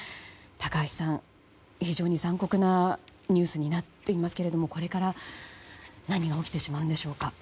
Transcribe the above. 高橋さん、非常に残酷なニュースになっていますけれどもこれから何が起きてしまうのでしょうか。